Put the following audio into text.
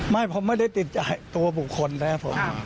ไม่ผมไม่ได้ติดใจตัวบุคคลนะครับผม